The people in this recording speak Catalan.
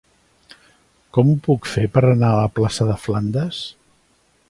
Com ho puc fer per anar a la plaça de Flandes?